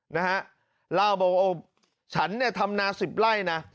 นะฮะเล่าบอกว่าฉันเนี่ยทำนาสิบไร่นะ